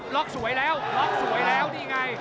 สวยแล้วล็อกสวยแล้วนี่ไง